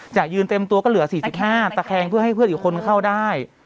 จะยืนเต็มตัวก็เหลือ๔๕ตะแคงเพื่อให้เพื่อนอีกคนเข้าได้